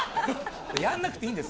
やんなくていいんです。